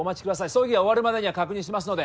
葬儀が終わるまでには確認しますので。